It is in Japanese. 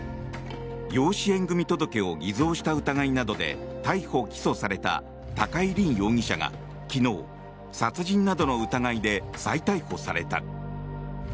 養子縁組届を偽造した疑いなどで逮捕・起訴された高井凜容疑者が昨日殺人などの疑いで再逮捕された。